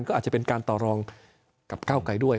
ก็อาจจะเป็นการต่อรองกับก้าวไกลด้วย